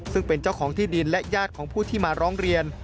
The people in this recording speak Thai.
ซึ่งเป็นเจ้าของที่ดินและญาติของผู้ที่มาร้องเรียน